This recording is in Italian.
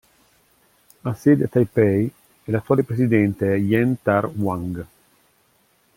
Ha sede a Taipei e l'attuale presidente è Jen-Tar Wang.